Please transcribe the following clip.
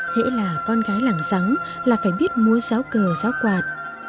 hãy là con gái làng giắng là phải biết mua giáo cờ giáo quạt